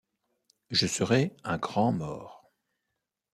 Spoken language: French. Je serai un grand mort.